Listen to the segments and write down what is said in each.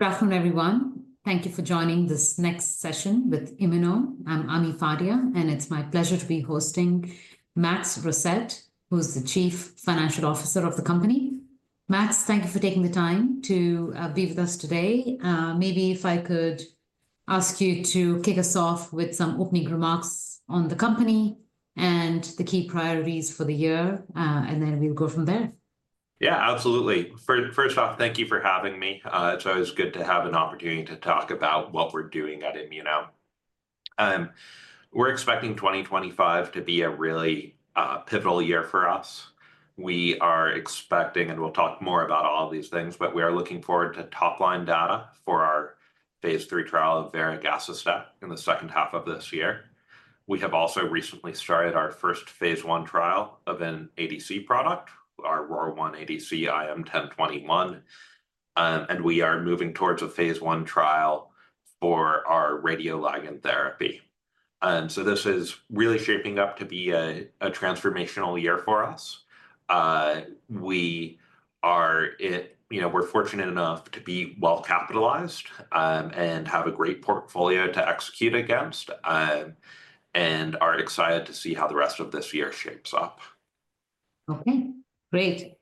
Welcome, everyone. Thank you for joining this next session with Immunome. I'm Ami Fadia, and it's my pleasure to be hosting Max Rosett, who's the Chief Financial Officer of the company. Max, thank you for taking the time to be with us today. Maybe if I could ask you to kick us off with some opening remarks on the company and the key priorities for the year, and then we'll go from there. Yeah, absolutely. First off, thank you for having me. It's always good to have an opportunity to talk about what we're doing at Immunome. We're expecting 2025 to be a really pivotal year for us. We are expecting, and we'll talk more about all of these things, but we are looking forward to top-line data for our phase III trial of varegacestat in the H2 of this year. We have also recently started our first phase I trial of an ADC product, our ROR1 ADC IM-1021, and we are moving towards a phase I trial for our radioligand therapy. This is really shaping up to be a transformational year for us. We are fortunate enough to be well-capitalized and have a great portfolio to execute against, and are excited to see how the rest of this year shapes up. Okay, great.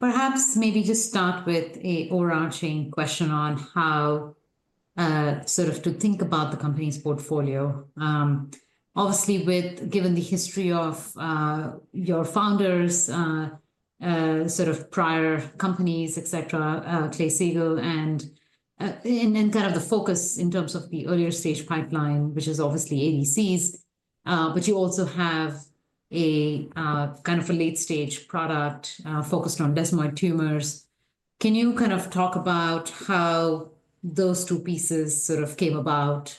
Perhaps maybe just start with an overarching question on how sort of to think about the company's portfolio. Obviously, given the history of your founders, sort of prior companies, etc., Clay Siegall, and kind of the focus in terms of the earlier stage pipeline, which is obviously ADCs, but you also have kind of a late-stage product focused on desmoid tumors. Can you kind of talk about how those two pieces sort of came about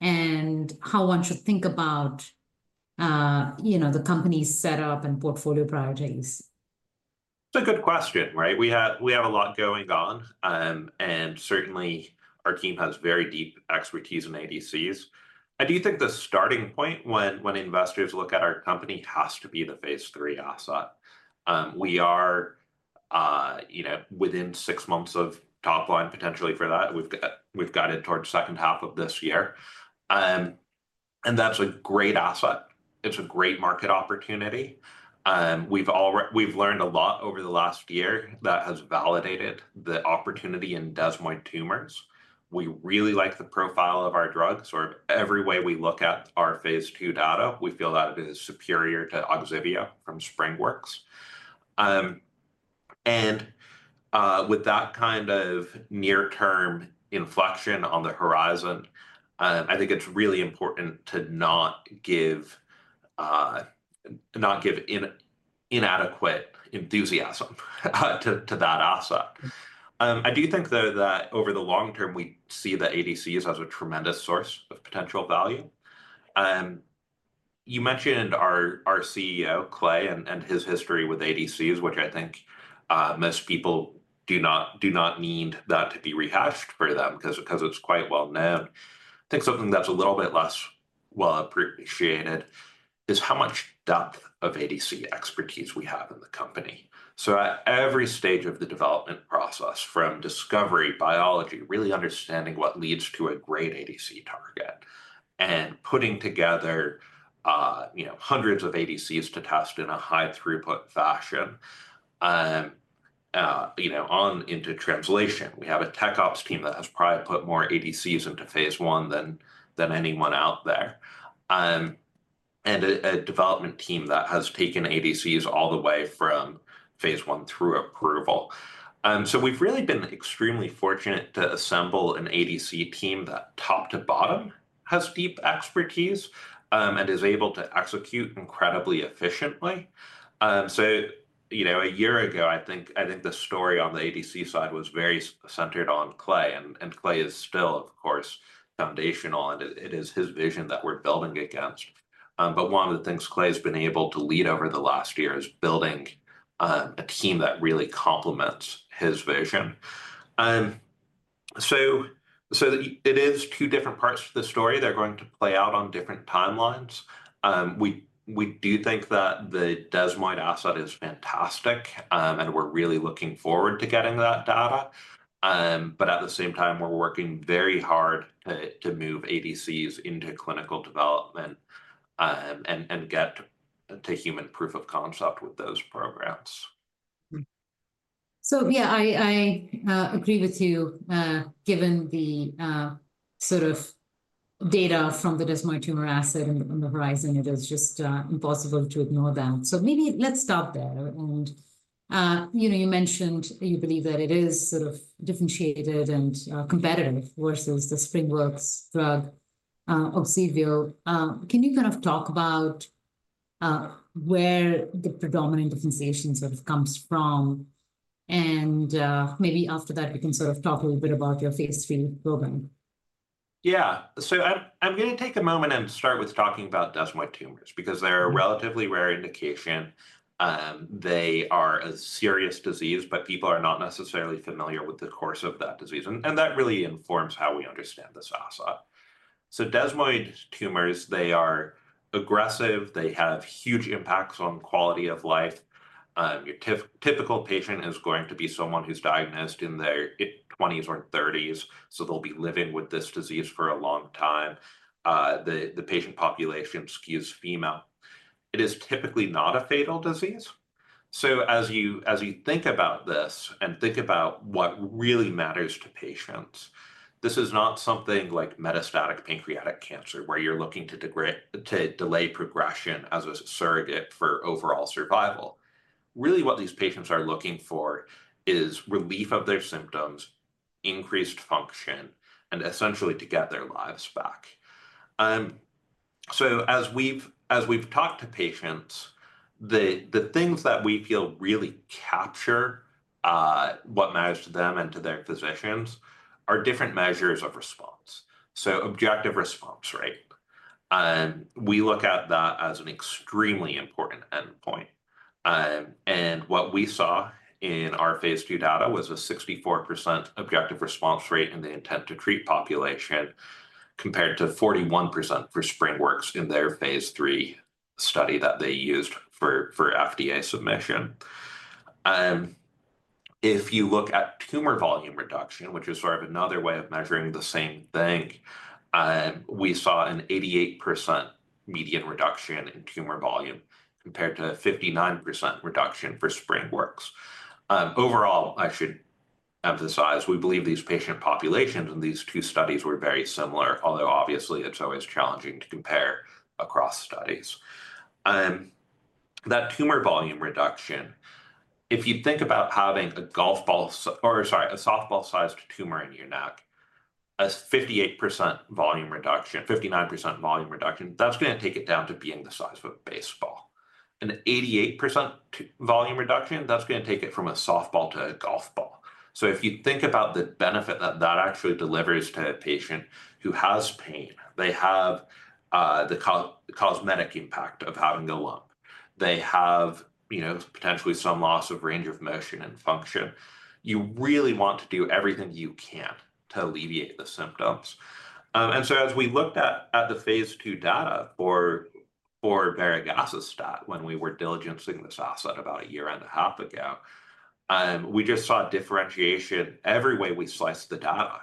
and how one should think about the company's setup and portfolio priorities? It's a good question, right? We have a lot going on, and certainly our team has very deep expertise in ADCs. I do think the starting point when investors look at our company has to be the phase III asset. We are within six months of top line potentially for that. We've got it towards the H2 of this year. It's a great asset. It's a great market opportunity. We've learned a lot over the last year that has validated the opportunity in desmoid tumors. We really like the profile of our drug. Every way we look at our phase II data, we feel that it is superior to Ogsiveo from SpringWorks. With that kind of near-term inflection on the horizon, I think it's really important to not give inadequate enthusiasm to that asset. I do think, though, that over the long term, we see the ADCs as a tremendous source of potential value. You mentioned our CEO, Clay, and his history with ADCs, which I think most people do not need that to be rehashed for them because it's quite well-known. I think something that's a little bit less well-appreciated is how much depth of ADC expertise we have in the company. At every stage of the development process, from discovery, biology, really understanding what leads to a great ADC target, and putting together hundreds of ADCs to test in a high-throughput fashion on into translation. We have a tech ops team that has probably put more ADCs into phase I than anyone out there, and a development team that has taken ADCs all the way from phase I through approval. We have really been extremely fortunate to assemble an ADC team that top to bottom has deep expertise and is able to execute incredibly efficiently. A year ago, I think the story on the ADC side was very centered on Clay, and Clay is still, of course, foundational, and it is his vision that we are building against. One of the things Clay has been able to lead over the last year is building a team that really complements his vision. It is two different parts of the story. They are going to play out on different timelines. We do think that the desmoid asset is fantastic, and we are really looking forward to getting that data. At the same time, we are working very hard to move ADCs into clinical development and get to human proof of concept with those programs. Yeah, I agree with you, given the sort of data from the desmoid tumor asset on the horizon, it is just impossible to ignore that. Maybe let's stop there. You mentioned you believe that it is sort of differentiated and competitive versus the SpringWorks drug, Ogsiveo. Can you kind of talk about where the predominant differentiation sort of comes from? Maybe after that, we can sort of talk a little bit about your phase III program. Yeah. I'm going to take a moment and start with talking about desmoid tumors because they're a relatively rare indication. They are a serious disease, but people are not necessarily familiar with the course of that disease. That really informs how we understand this asset. Desmoid tumors, they are aggressive. They have huge impacts on quality of life. Your typical patient is going to be someone who's diagnosed in their 20s or 30s, so they'll be living with this disease for a long time. The patient population, skews female, it is typically not a fatal disease. As you think about this and think about what really matters to patients, this is not something like metastatic pancreatic cancer where you're looking to delay progression as a surrogate for overall survival. Really, what these patients are looking for is relief of their symptoms, increased function, and essentially to get their lives back. As we have talked to patients, the things that we feel really capture what matters to them and to their physicians are different measures of response. Objective response rate. We look at that as an extremely important endpoint. What we saw in our phase II data was a 64% objective response rate in the intent to treat population compared to 41% for SpringWorks in their phase III study that they used for FDA submission. If you look at tumor volume reduction, which is sort of another way of measuring the same thing, we saw an 88% median reduction in tumor volume compared to a 59% reduction for SpringWorks. Overall, I should emphasize, we believe these patient populations in these two studies were very similar, although obviously it's always challenging to compare across studies. That tumor volume reduction, if you think about having a softball-sized tumor in your neck, a 58% volume reduction, 59% volume reduction, that's going to take it down to being the size of a baseball. An 88% volume reduction, that's going to take it from a softball to a golf ball. If you think about the benefit that that actually delivers to a patient who has pain, they have the cosmetic impact of having a lump, they have potentially some loss of range of motion and function. You really want to do everything you can to alleviate the symptoms. As we looked at the phase II data for varegacestat when we were diligencing this asset about a year and a half ago, we just saw differentiation every way we sliced the data.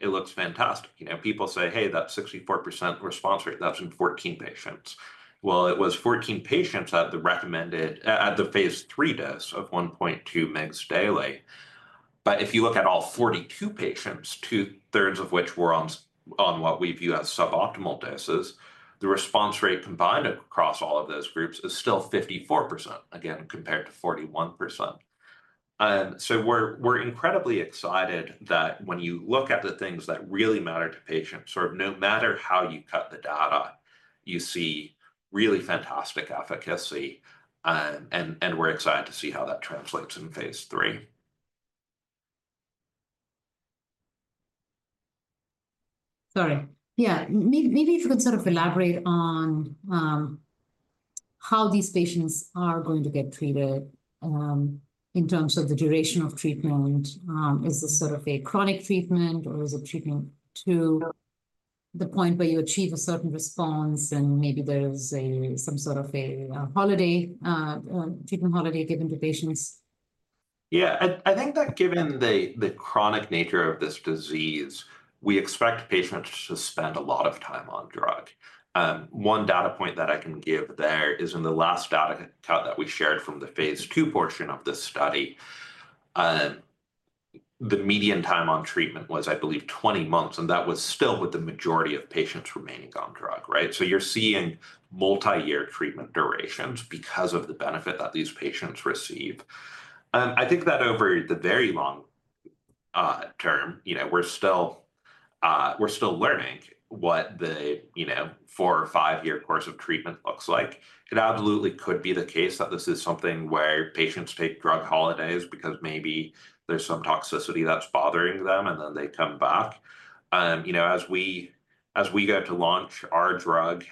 It looks fantastic. People say, "Hey, that 64% response rate, that's in 14 patients." It was 14 patients at the phase III dose of 1.2 mgs daily. If you look at all 42 patients, two-thirds of which were on what we view as suboptimal doses, the response rate combined across all of those groups is still 54%, again, compared to 41%. We are incredibly excited that when you look at the things that really matter to patients, sort of no matter how you cut the data, you see really fantastic efficacy. We are excited to see how that translates in phase III. Sorry. Yeah, maybe if you could sort of elaborate on how these patients are going to get treated in terms of the duration of treatment. Is this sort of a chronic treatment, or is it treatment to the point where you achieve a certain response, and maybe there's some sort of a treatment holiday given to patients? Yeah, I think that given the chronic nature of this disease, we expect patients to spend a lot of time on drug. One data point that I can give there is in the last data cut that we shared from the phase II portion of this study. The median time on treatment was, I believe, 20 months, and that was still with the majority of patients remaining on drug, right? You are seeing multi-year treatment durations because of the benefit that these patients receive. I think that over the very long term, we are still learning what the four or five-year course of treatment looks like. It absolutely could be the case that this is something where patients take drug holidays because maybe there is some toxicity that is bothering them, and then they come back. As we go to launch our drug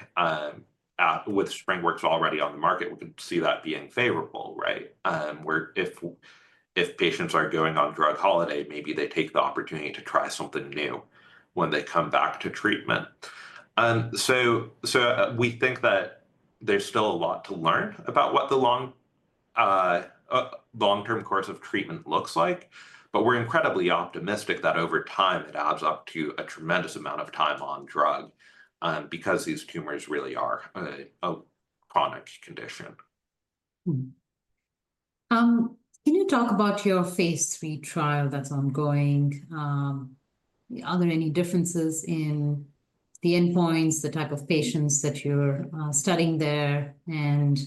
with SpringWorks already on the market, we can see that being favorable, right? If patients are going on drug holiday, maybe they take the opportunity to try something new when they come back to treatment. We think that there's still a lot to learn about what the long-term course of treatment looks like, but we're incredibly optimistic that over time, it adds up to a tremendous amount of time on drug because these tumors really are a chronic condition. Can you talk about your phase III trial that's ongoing? Are there any differences in the endpoints, the type of patients that you're studying there, and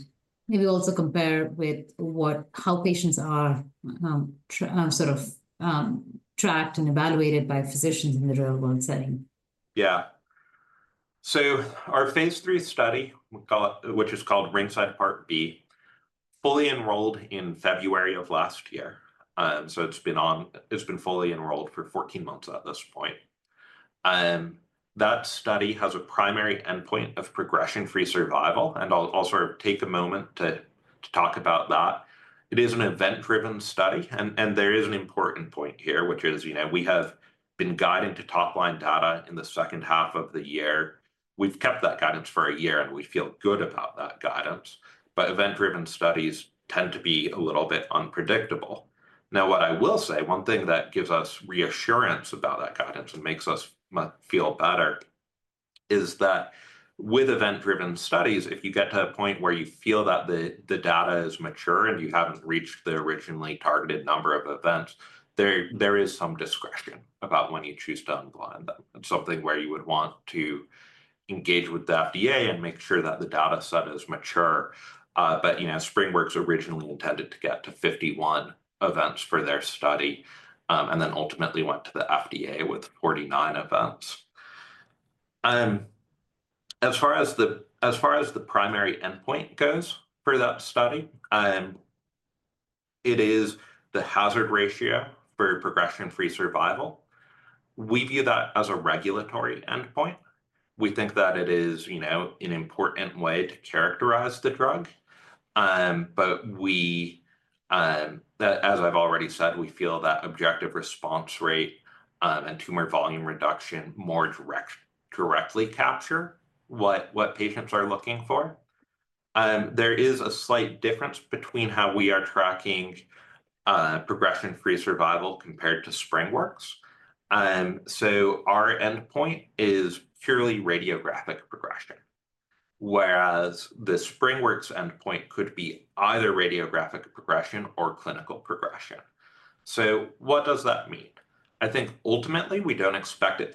maybe also compare with how patients are sort of tracked and evaluated by physicians in the real-world setting? Yeah. Our phase III study, which is called RING SIDE Part B, fully enrolled in February of last year. It has been fully enrolled for 14 months at this point. That study has a primary endpoint of progression-free survival, and I'll sort of take a moment to talk about that. It is an event-driven study, and there is an important point here, which is we have been guided to top-line data in the H2 of the year. We've kept that guidance for a year, and we feel good about that guidance. Event-driven studies tend to be a little bit unpredictable. Now, what I will say, one thing that gives us reassurance about that guidance and makes us feel better is that with event-driven studies, if you get to a point where you feel that the data is mature and you have not reached the originally targeted number of events, there is some discretion about when you choose to unblind them. It is something where you would want to engage with the FDA and make sure that the data set is mature. SpringWorks originally intended to get to 51 events for their study and then ultimately went to the FDA with 49 events. As far as the primary endpoint goes for that study, it is the hazard ratio for progression-free survival. We view that as a regulatory endpoint. We think that it is an important way to characterize the drug. As I've already said, we feel that objective response rate and tumor volume reduction more directly capture what patients are looking for. There is a slight difference between how we are tracking progression-free survival compared to SpringWorks. Our endpoint is purely radiographic progression, whereas the SpringWorks endpoint could be either radiographic progression or clinical progression. What does that mean? I think ultimately, we do not expect it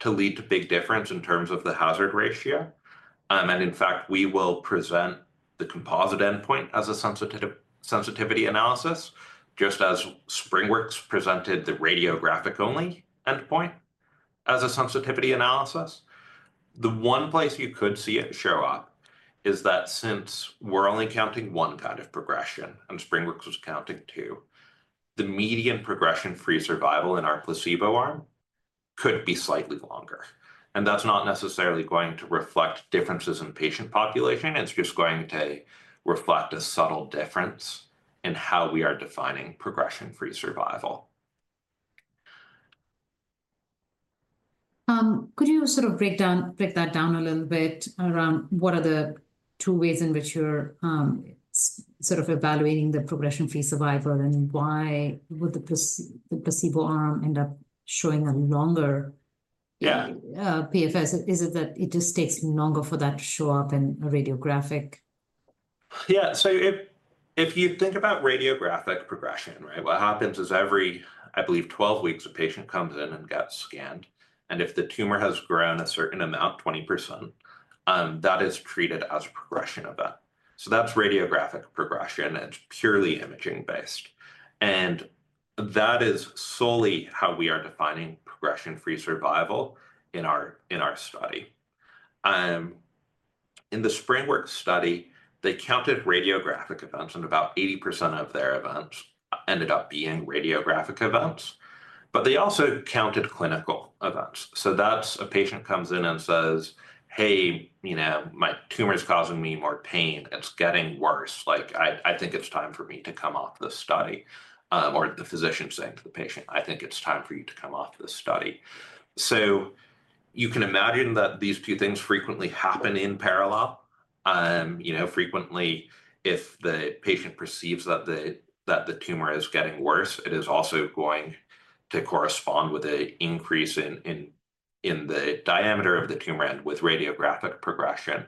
to lead to a big difference in terms of the hazard ratio. In fact, we will present the composite endpoint as a sensitivity analysis, just as SpringWorks presented the radiographic-only endpoint as a sensitivity analysis. The one place you could see it show up is that since we are only counting one kind of progression and SpringWorks was counting two, the median progression-free survival in our placebo arm could be slightly longer. That's not necessarily going to reflect differences in patient population. It's just going to reflect a subtle difference in how we are defining progression-free survival. Could you sort of break that down a little bit around what are the two ways in which you're sort of evaluating the progression-free survival and why would the placebo arm end up showing a longer PFS? Is it that it just takes longer for that to show up in a radiographic? Yeah. If you think about radiographic progression, right, what happens is every, I believe, 12 weeks, a patient comes in and gets scanned. If the tumor has grown a certain amount, 20%, that is treated as a progression event. That is radiographic progression. It is purely imaging-based. That is solely how we are defining progression-free survival in our study. In the SpringWorks study, they counted radiographic events, and about 80% of their events ended up being radiographic events. They also counted clinical events. That is a patient comes in and says, "Hey, my tumor's causing me more pain. It's getting worse. I think it's time for me to come off this study," or the physician saying to the patient, "I think it's time for you to come off this study." You can imagine that these two things frequently happen in parallel. Frequently, if the patient perceives that the tumor is getting worse, it is also going to correspond with an increase in the diameter of the tumor and with radiographic progression.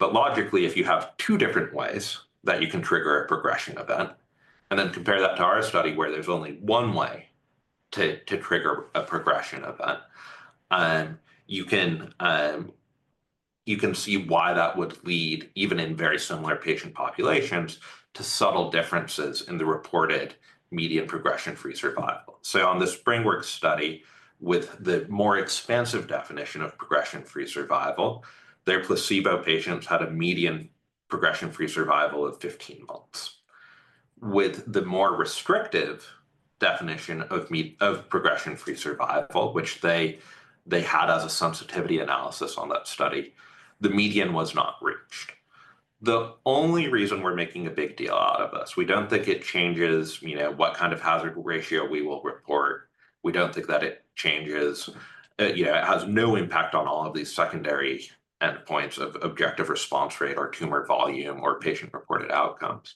Logically, if you have two different ways that you can trigger a progression event and then compare that to our study where there is only one way to trigger a progression event, you can see why that would lead, even in very similar patient populations, to subtle differences in the reported median progression-free survival. On the SpringWorks study, with the more expansive definition of progression-free survival, their placebo patients had a median progression-free survival of 15 months. With the more restrictive definition of progression-free survival, which they had as a sensitivity analysis on that study, the median was not reached. The only reason we're making a big deal out of this, we don't think it changes what kind of hazard ratio we will report. We don't think that it changes. It has no impact on all of these secondary endpoints of objective response rate or tumor volume or patient-reported outcomes.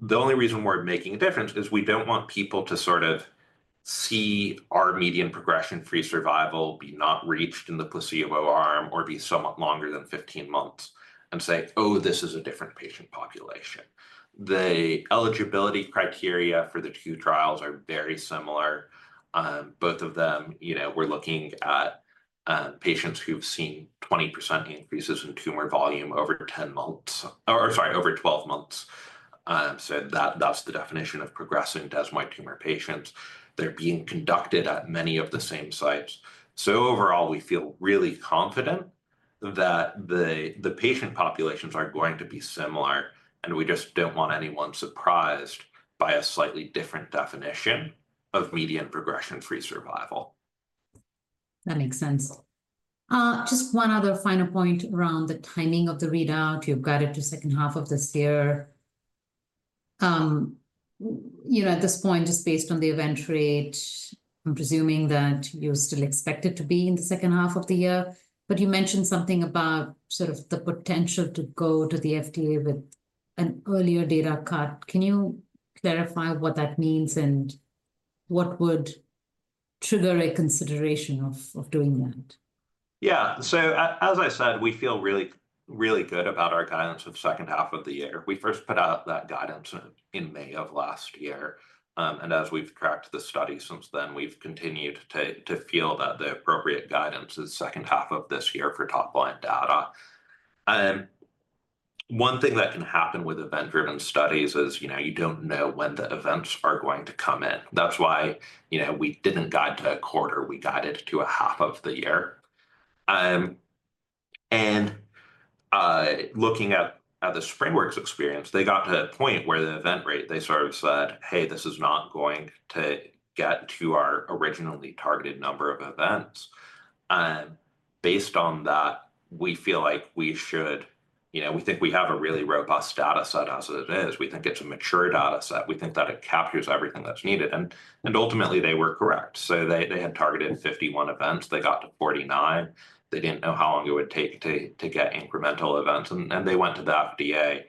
The only reason we're making a difference is we don't want people to sort of see our median progression-free survival be not reached in the placebo arm or be somewhat longer than 15 months and say, "Oh, this is a different patient population." The eligibility criteria for the two trials are very similar. Both of them, we're looking at patients who've seen 20% increases in tumor volume over 10 months or, sorry, over 12 months. That's the definition of progressing desmoid tumor patients. They're being conducted at many of the same sites. Overall, we feel really confident that the patient populations are going to be similar, and we just don't want anyone surprised by a slightly different definition of median progression-free survival. That makes sense. Just one other final point around the timing of the readout. You've got it to H2 of this year. At this point, just based on the event rate, I'm presuming that you still expect it to be in the H2 of the year. You mentioned something about sort of the potential to go to the FDA with an earlier data cut. Can you clarify what that means and what would trigger a consideration of doing that? Yeah. As I said, we feel really, really good about our guidance for the H2 of the year. We first put out that guidance in May of last year. As we've tracked the study since then, we've continued to feel that the appropriate guidance is H2 of this year for top-line data. One thing that can happen with event-driven studies is you don't know when the events are going to come in. That's why we didn't guide to a quarter. We guided to a half of the year. Looking at the SpringWorks experience, they got to a point where the event rate, they sort of said, "Hey, this is not going to get to our originally targeted number of events." Based on that, we feel like we should, we think we have a really robust data set as it is. We think it's a mature data set. We think that it captures everything that's needed. Ultimately, they were correct. They had targeted 51 events. They got to 49. They didn't know how long it would take to get incremental events. They went to the FDA.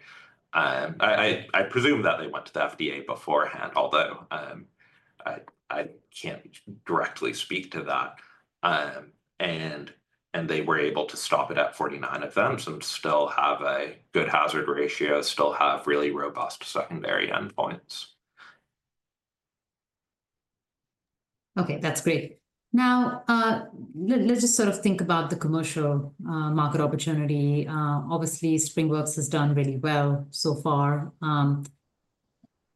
I presume that they went to the FDA beforehand, although I can't directly speak to that. They were able to stop it at 49 events and still have a good hazard ratio, still have really robust secondary endpoints. Okay, that's great. Now, let's just sort of think about the commercial market opportunity. Obviously, SpringWorks has done really well so far.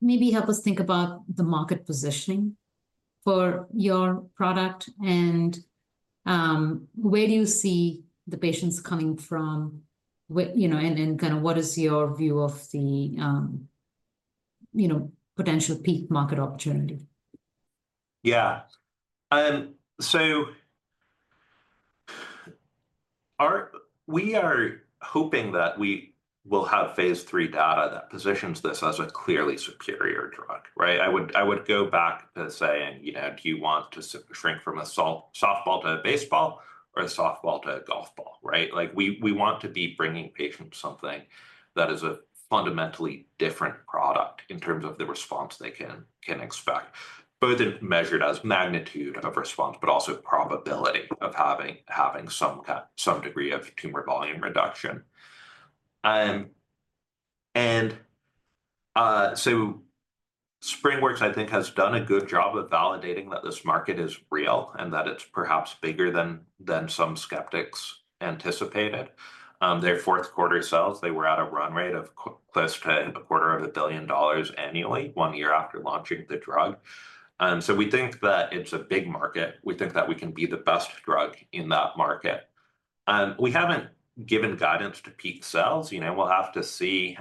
Maybe help us think about the market positioning for your product and where do you see the patients coming from and kind of what is your view of the potential peak market opportunity? Yeah. We are hoping that we will have phase III data that positions this as a clearly superior drug, right? I would go back to saying, "Do you want to shrink from a softball to a baseball or a softball to a golf ball?" Right? We want to be bringing patients something that is a fundamentally different product in terms of the response they can expect, both measured as magnitude of response, but also probability of having some degree of tumor volume reduction. SpringWorks, I think, has done a good job of validating that this market is real and that it is perhaps bigger than some skeptics anticipated. Their Q4 sales, they were at a run rate of close to a quarter of a billion dollars annually one year after launching the drug. We think that it is a big market. We think that we can be the best drug in that market. We have not given guidance to peak sales. We will have to see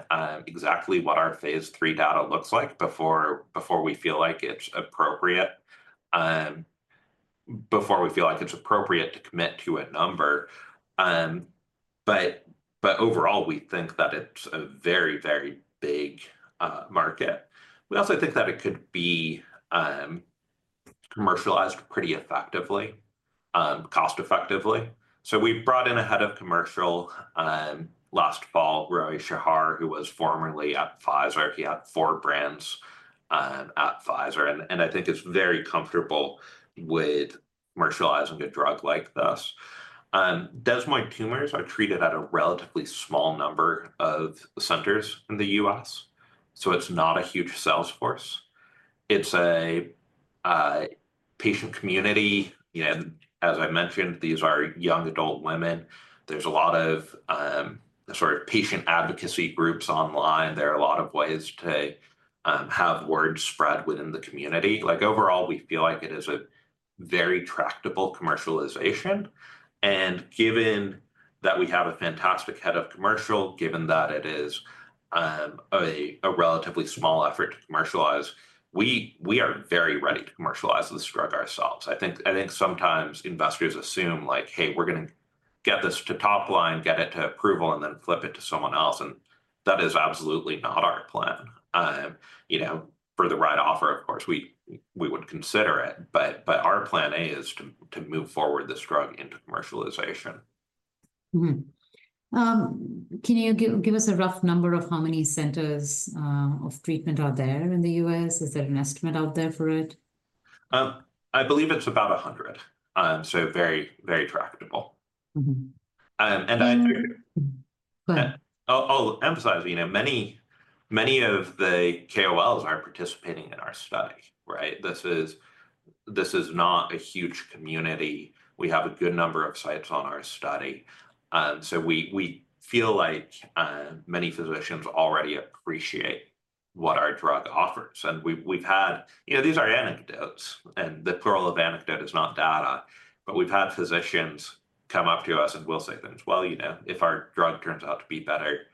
exactly what our phase III data looks like before we feel like it is appropriate, before we feel like it is appropriate to commit to a number. Overall, we think that it is a very, very big market. We also think that it could be commercialized pretty effectively, cost-effectively. We brought in a Head of Commercial last fall, Roee Shahar, who was formerly at Pfizer. He had four brands at Pfizer. I think he is very comfortable with commercializing a drug like this. Desmoid tumors are treated at a relatively small number of centers in the US, so it is not a huge sales force. It is a patient community. As I mentioned, these are young adult women. There is a lot of sort of patient advocacy groups online. There are a lot of ways to have word spread within the community. Overall, we feel like it is a very tractable commercialization. Given that we have a fantastic Head of Commercial, given that it is a relatively small effort to commercialize, we are very ready to commercialize this drug ourselves. I think sometimes investors assume, like, "Hey, we're going to get this to top line, get it to approval, and then flip it to someone else." That is absolutely not our plan. For the right offer, of course, we would consider it. Our plan A is to move forward this drug into commercialization. Can you give us a rough number of how many centers of treatment are there in the US? Is there an estimate out there for it? I believe it's about 100. Very tractable. And I. Go ahead. I'll emphasize, many of the KOLs are participating in our study, right? This is not a huge community. We have a good number of sites on our study. We feel like many physicians already appreciate what our drug offers. We've had, these are anecdotes. The plural of anecdote is not data. We've had physicians come up to us and we'll say things, "Well, if our drug turns out to be better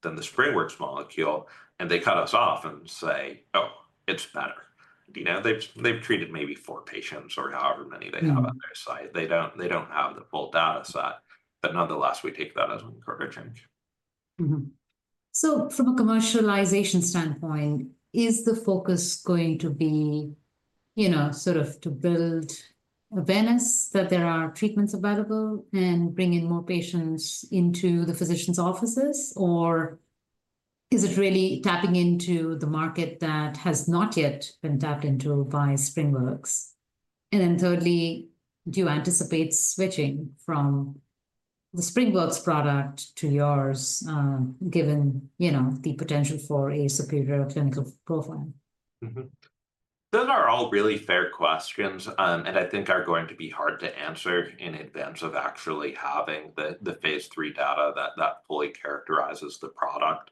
than the SpringWorks molecule," and they cut us off and say, "Oh, it's better." They've treated maybe four patients or however many they have on their site. They don't have the full data set. Nonetheless, we take that as encouraging. From a commercialization standpoint, is the focus going to be sort of to build awareness that there are treatments available and bring in more patients into the physician's offices, or is it really tapping into the market that has not yet been tapped into by SpringWorks? Thirdly, do you anticipate switching from the SpringWorks product to yours given the potential for a superior clinical profile? Those are all really fair questions and I think are going to be hard to answer in advance of actually having the phase III data that fully characterizes the product.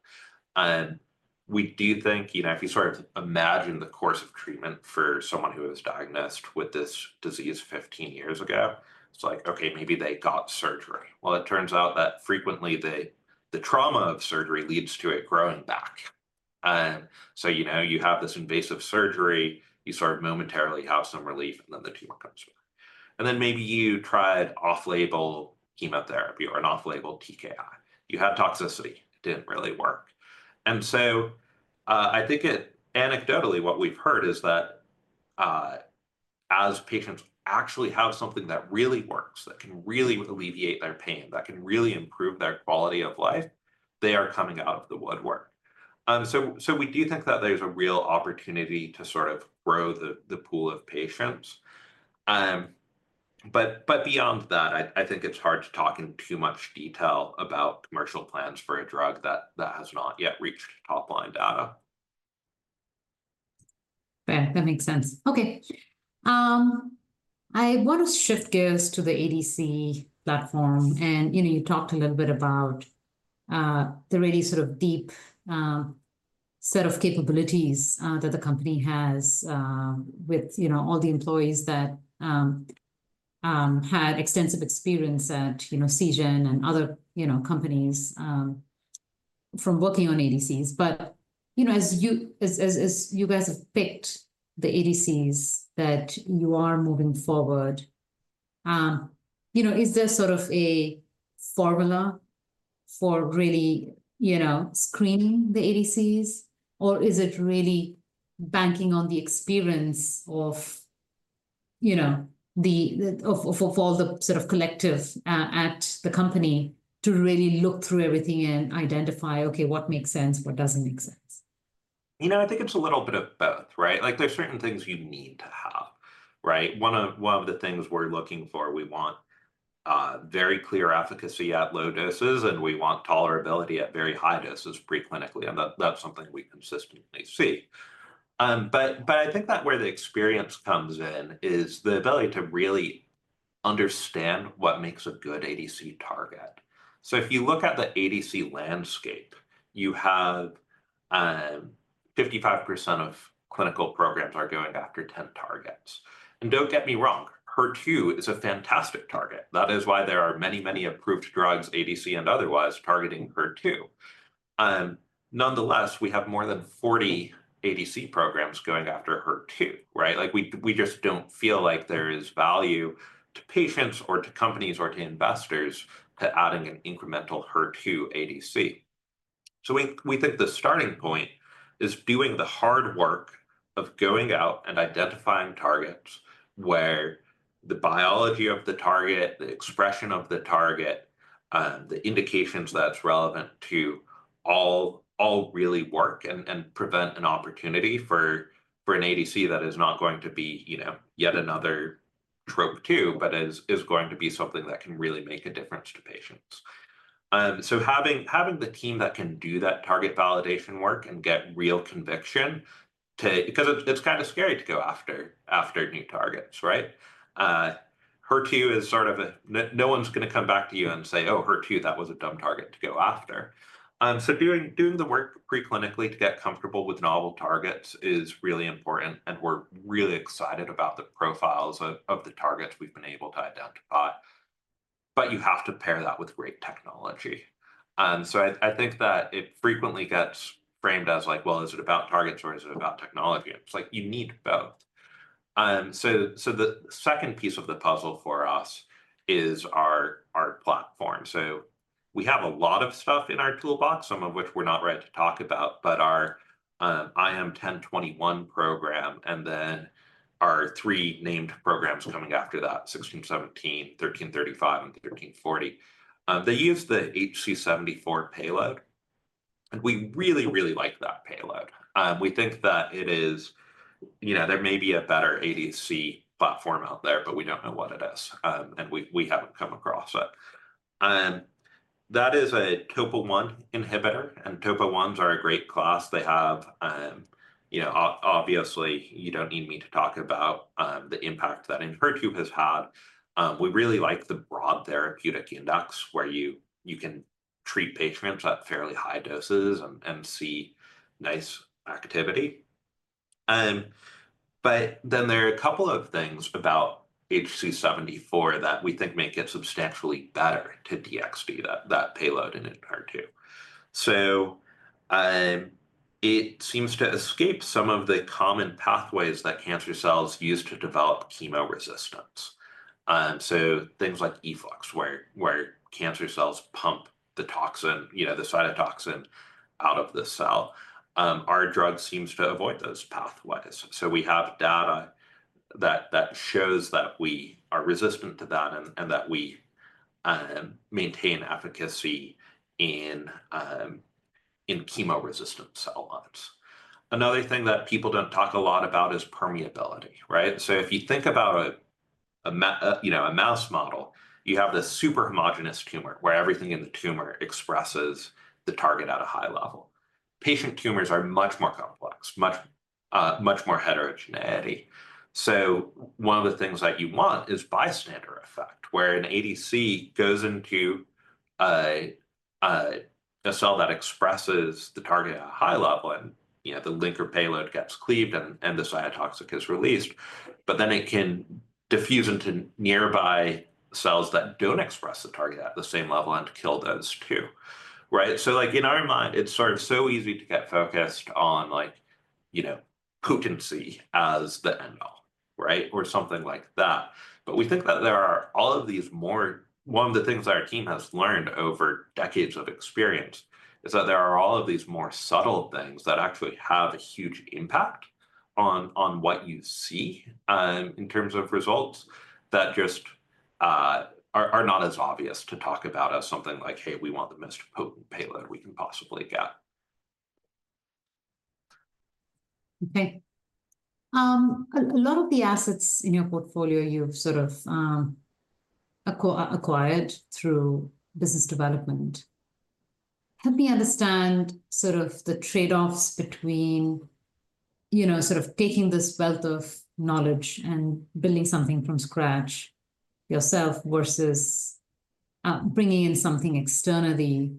We do think if you sort of imagine the course of treatment for someone who was diagnosed with this disease 15 years ago, it's like, "Okay, maybe they got surgery." It turns out that frequently the trauma of surgery leads to it growing back. You have this invasive surgery, you sort of momentarily have some relief, and then the tumor comes back. Maybe you tried off-label chemotherapy or an off-label TKI. You had toxicity. It didn't really work. I think anecdotally what we've heard is that as patients actually have something that really works, that can really alleviate their pain, that can really improve their quality of life, they are coming out of the woodwork. We do think that there's a real opportunity to sort of grow the pool of patients. Beyond that, I think it's hard to talk in too much detail about commercial plans for a drug that has not yet reached top-line data. That makes sense. Okay. I want to shift gears to the ADC platform. You talked a little bit about the really sort of deep set of capabilities that the company has with all the employees that had extensive experience at Seagen and other companies from working on ADCs. As you guys have picked the ADCs that you are moving forward, is there sort of a formula for really screening the ADCs, or is it really banking on the experience of all the sort of collective at the company to really look through everything and identify, "Okay, what makes sense? What does not make sense? I think it's a little bit of both, right? There's certain things you need to have, right? One of the things we're looking for, we want very clear efficacy at low doses, and we want tolerability at very high doses preclinically. That's something we consistently see. I think that where the experience comes in is the ability to really understand what makes a good ADC target. If you look at the ADC landscape, you have 55% of clinical programs going after 10 targets. Don't get me wrong, HER2 is a fantastic target. That is why there are many, many approved drugs, ADC and otherwise, targeting HER2. Nonetheless, we have more than 40 ADC programs going after HER2, right? We just don't feel like there is value to patients or to companies or to investors to adding an incremental HER2 ADC. We think the starting point is doing the hard work of going out and identifying targets where the biology of the target, the expression of the target, the indications that's relevant to all really work and present an opportunity for an ADC that is not going to be yet another TROP2, but is going to be something that can really make a difference to patients. Having the team that can do that target validation work and get real conviction because it's kind of scary to go after new targets, right? HER2 is sort of a no one's going to come back to you and say, "Oh, HER2, that was a dumb target to go after." Doing the work preclinically to get comfortable with novel targets is really important. We're really excited about the profiles of the targets we've been able to identify. You have to pair that with great technology. I think that it frequently gets framed as like, "Well, is it about targets or is it about technology?" You need both. The second piece of the puzzle for us is our platform. We have a lot of stuff in our toolbox, some of which we're not ready to talk about, but our IM-1021 program and then our three named programs coming after that, 1617, 1335, and 1340. They use the HC74 payload. We really, really like that payload. We think that it is, there may be a better ADC platform out there, but we don't know what it is. We haven't come across it. That is a TOPO1 inhibitor. TOPO1s are a great class. They have, obviously, you don't need me to talk about the impact that HER2 has had. We really like the broad therapeutic index where you can treat patients at fairly high doses and see nice activity. There are a couple of things about HC74 that we think make it substantially better to DXd that payload in HER2. It seems to escape some of the common pathways that cancer cells use to develop chemo resistance. Things like efflux, where cancer cells pump the cytotoxin out of the cell, our drug seems to avoid those pathways. We have data that shows that we are resistant to that and that we maintain efficacy in chemo resistant cell lines. Another thing that people do not talk a lot about is permeability, right? If you think about a mouse model, you have this super homogenous tumor where everything in the tumor expresses the target at a high level. Patient tumors are much more complex, much more heterogeneity. One of the things that you want is bystander effect, where an ADC goes into a cell that expresses the target at a high level, and the linker payload gets cleaved and the cytotoxic is released. Then it can diffuse into nearby cells that do not express the target at the same level and kill those too, right? In our mind, it is sort of so easy to get focused on potency as the end goal, right? Or something like that. We think that there are all of these more, one of the things that our team has learned over decades of experience is that there are all of these more subtle things that actually have a huge impact on what you see in terms of results that just are not as obvious to talk about as something like, "Hey, we want the most potent payload we can possibly get. Okay. A lot of the assets in your portfolio you've sort of acquired through business development. Help me understand sort of the trade-offs between sort of taking this wealth of knowledge and building something from scratch yourself versus bringing in something externally.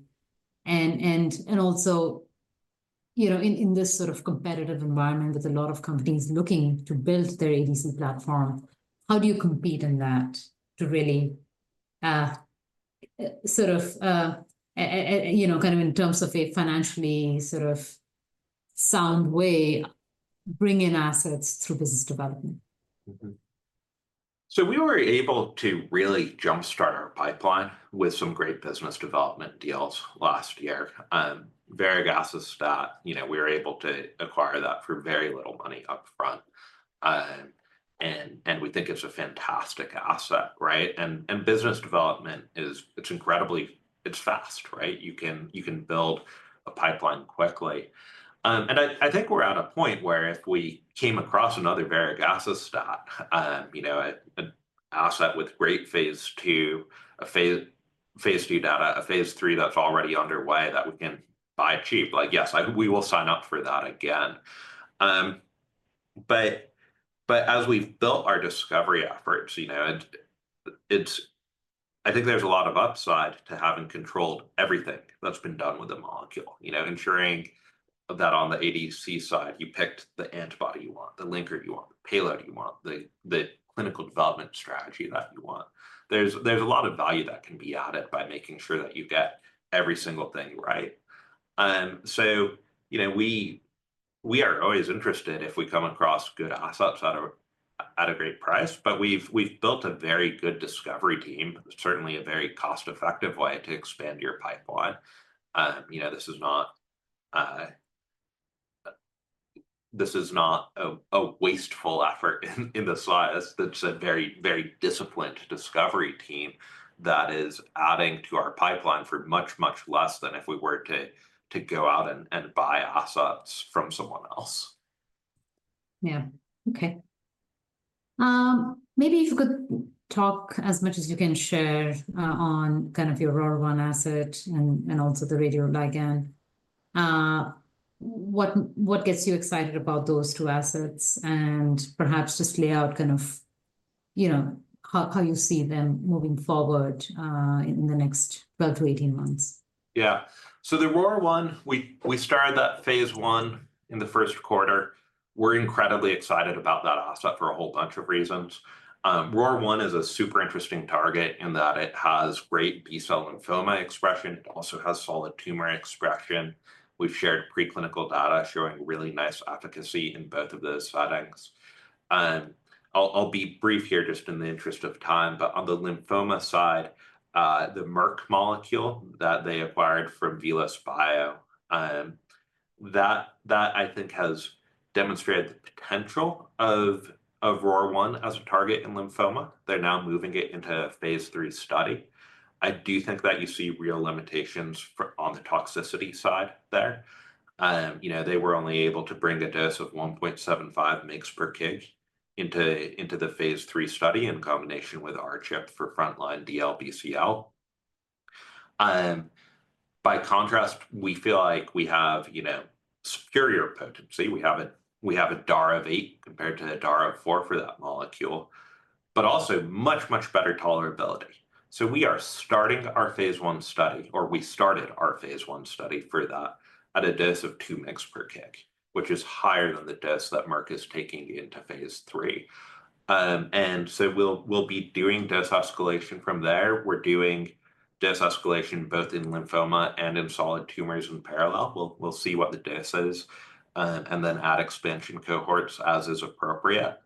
Also in this sort of competitive environment with a lot of companies looking to build their ADC platform, how do you compete in that to really sort of kind of in terms of a financially sort of sound way, bring in assets through business development? We were able to really jumpstart our pipeline with some great business development deals last year. Varegacestat, we were able to acquire that for very little money upfront. We think it's a fantastic asset, right? Business development, it's incredibly, it's fast, right? You can build a pipeline quickly. I think we're at a point where if we came across another varegacestat, an asset with great phase II data, a phase III that's already underway that we can buy cheap, like, "Yes, we will sign up for that again." As we've built our discovery efforts, I think there's a lot of upside to having controlled everything that's been done with the molecule, ensuring that on the ADC side, you picked the antibody you want, the linker you want, the payload you want, the clinical development strategy that you want. There's a lot of value that can be added by making sure that you get every single thing right. We are always interested if we come across good assets at a great price. We have built a very good discovery team, certainly a very cost-effective way to expand your pipeline. This is not a wasteful effort in the sense that it is a very disciplined discovery team that is adding to our pipeline for much, much less than if we were to go out and buy assets from someone else. Yeah. Okay. Maybe if you could talk as much as you can share on kind of your ROR1 asset and also the radioligand. What gets you excited about those two assets? And perhaps just lay out kind of how you see them moving forward in the next 12 to 18 months. Yeah. The ROR1, we started that phase I in the Q1. We're incredibly excited about that asset for a whole bunch of reasons. ROR1 is a super interesting target in that it has great B-cell lymphoma expression. It also has solid tumor expression. We've shared preclinical data showing really nice efficacy in both of those settings. I'll be brief here just in the interest of time. On the lymphoma side, the Merck molecule that they acquired from VelosBio, that I think has demonstrated the potential of ROR1 as a target in lymphoma. They're now moving it into a phase III study. I do think that you see real limitations on the toxicity side there. They were only able to bring a dose of 1.75 mg per kg into the phase III study in combination with R-CHOP for frontline DLBCL. By contrast, we feel like we have superior potency. We have a DAR of 8 compared to a DAR of 4 for that molecule, but also much, much better tolerability. We are starting our phase I study, or we started our phase I study for that at a dose of 2 mg per kg, which is higher than the dose that Merck is taking into phase III. We will be doing dose escalation from there. We are doing dose escalation both in lymphoma and in solid tumors in parallel. We will see what the dose is and then add expansion cohorts as is appropriate.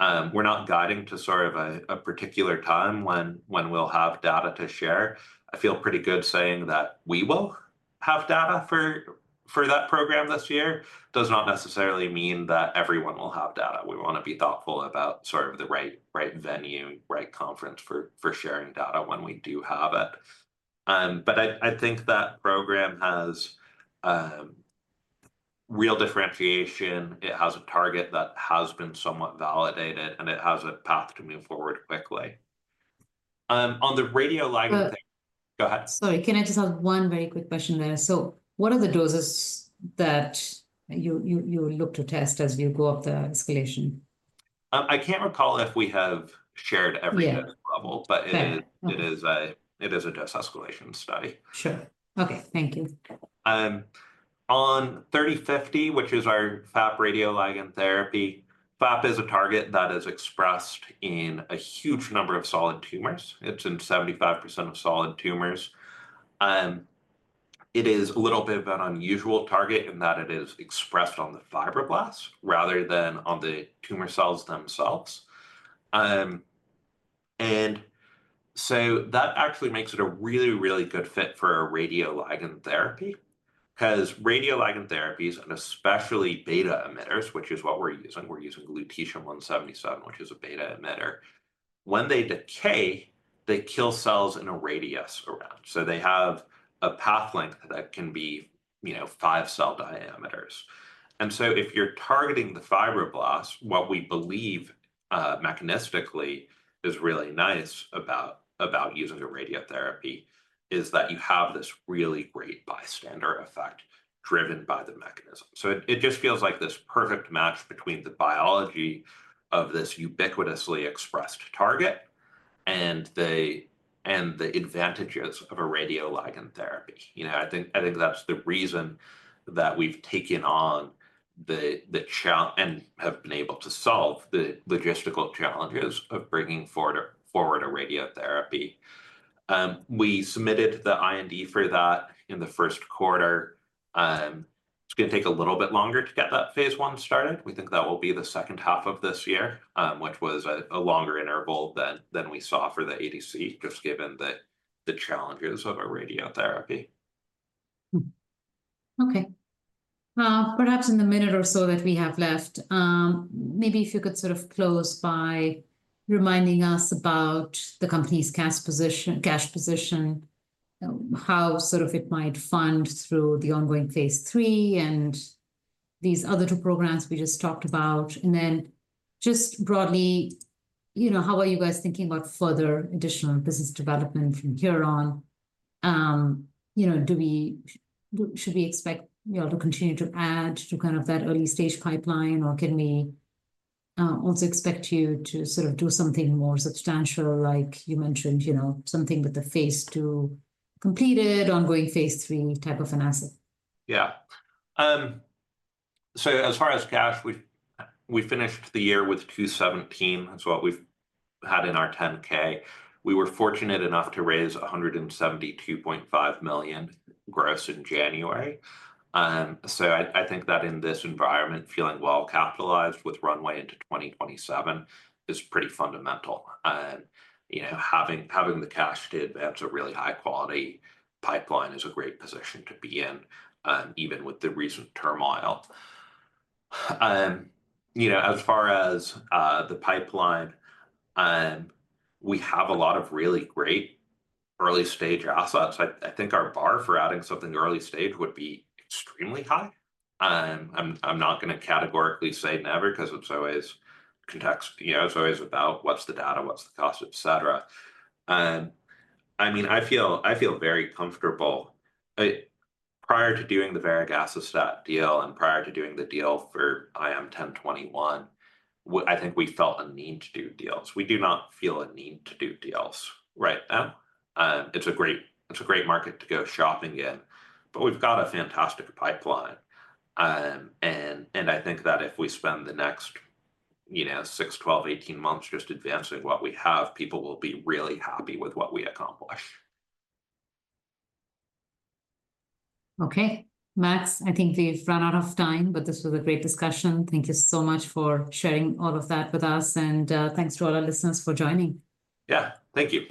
We are not guiding to sort of a particular time when we will have data to share. I feel pretty good saying that we will have data for that program this year. Does not necessarily mean that everyone will have data. We want to be thoughtful about sort of the right venue, right conference for sharing data when we do have it. I think that program has real differentiation. It has a target that has been somewhat validated, and it has a path to move forward quickly. On the radioligand, go ahead. Sorry, can I just have one very quick question there? What are the doses that you look to test as you go up the escalation? I can't recall if we have shared every dose level, but it is a dose escalation study. Sure. Okay. Thank you. On 3050, which is our FAP radioligand therapy, FAP is a target that is expressed in a huge number of solid tumors. It's in 75% of solid tumors. It is a little bit of an unusual target in that it is expressed on the fibroblasts rather than on the tumor cells themselves. That actually makes it a really, really good fit for a radioligand therapy because radioligand therapies, and especially beta emitters, which is what we're using, we're using 177 Lu, which is a beta emitter. When they decay, they kill cells in a radius around. They have a path length that can be five cell diameters. If you're targeting the fibroblasts, what we believe mechanistically is really nice about using a radiotherapy is that you have this really great bystander effect driven by the mechanism. It just feels like this perfect match between the biology of this ubiquitously expressed target and the advantages of a radioligand therapy. I think that's the reason that we've taken on the challenge and have been able to solve the logistical challenges of bringing forward a radiotherapy. We submitted the IND for that in the Q1. It's going to take a little bit longer to get that phase I started. We think that will be the H2 of this year, which was a longer interval than we saw for the ADC just given the challenges of our radiotherapy. Okay. Perhaps in the minute or so that we have left, maybe if you could sort of close by reminding us about the company's cash position, how sort of it might fund through the ongoing phase III and these other two programs we just talked about. Just broadly, how are you guys thinking about further additional business development from here on? Should we expect y'all to continue to add to kind of that early stage pipeline, or can we also expect you to sort of do something more substantial, like you mentioned, something with the phase II completed, ongoing phase III type of an asset? Yeah. As far as cash, we finished the year with $217 million. That's what we've had in our 10-K. We were fortunate enough to raise $172.5 million gross in January. I think that in this environment, feeling well capitalized with runway into 2027 is pretty fundamental. Having the cash to advance a really high-quality pipeline is a great position to be in, even with the recent turmoil. As far as the pipeline, we have a lot of really great early stage assets. I think our bar for adding something early stage would be extremely high. I'm not going to categorically say never because it's always context. It's always about what's the data, what's the cost, etc. I mean, I feel very comfortable. Prior to doing the varegacestat deal and prior to doing the deal for IM-1021, I think we felt a need to do deals. We do not feel a need to do deals right now. It is a great market to go shopping in, but we have got a fantastic pipeline. I think that if we spend the next 6, 12, 18 months just advancing what we have, people will be really happy with what we accomplish. Okay. Max, I think we've run out of time, but this was a great discussion. Thank you so much for sharing all of that with us. Thank you to all our listeners for joining. Yeah. Thank you.